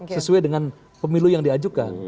sesuai dengan pemilu yang diajukan